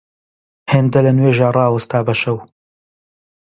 هێندە لە نوێژا ڕاوەستا بە شەو